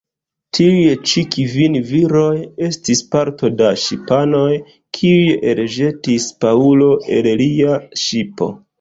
Tiuj-ĉi kvin viroj estis parto da ŝipanoj, kiuj elĵetis Paŭlo el lia ŝipo.